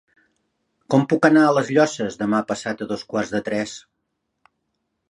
Com puc anar a les Llosses demà passat a dos quarts de tres?